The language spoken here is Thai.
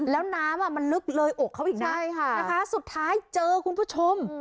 แล้วน้ำมันลึกเลยอกเขาอีกนะใช่ค่ะนะคะสุดท้ายเจอคุณผู้ชม